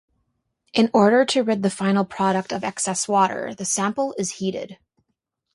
In order to rid the final product of excess water, the sample is heated.